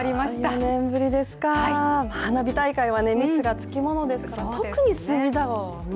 ４年ぶりですか、花火大会は密がつきものですから特に隅田川は、密。